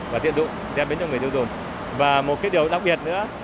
và một cái điều đặc biệt nữa